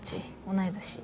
同い年。